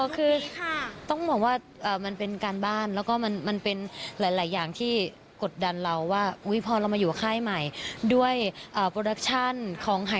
อ๋อคือต้องบอกว่ามันเป็นการบ้านแล้วก็มันเป็นหลายอย่างที่กดดันเราว่า